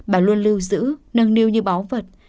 bà luôn lưu giữ nâng niu như báu vật